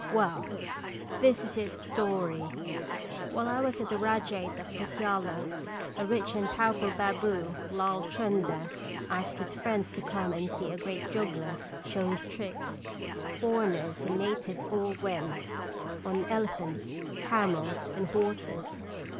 " Well, this is its story : While I was at the Rajate of Puttiala, a rich and powerful baboo, Lall Chunder, asked his friends to come and see a great juggler show his tricks. Foreigners and na tives all went, on elephants, camels, and horses.